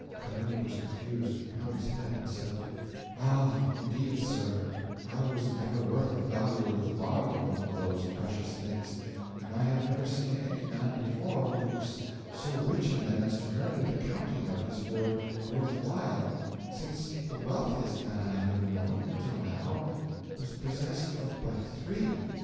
'Kalula was confused, and hung his head, but said: '"Ah, indeed, sir, I was never worth the value of the barb of one of those precious things, and I have never seen any man before who was so rich in them as to render the counting of his hoard worth while, since the wealthiest man I have ever known, till now, was possessed of but three."